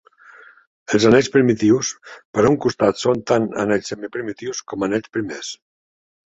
Els anells primitius per un costat són tant anells semiprimitius com anells primers.